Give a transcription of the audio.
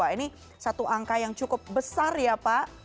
ini satu angka yang cukup besar ya pak